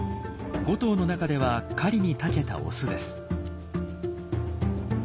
５頭の中では狩りにたけたオスです。